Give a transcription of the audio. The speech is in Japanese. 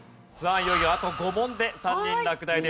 いよいよあと５問で３人落第です。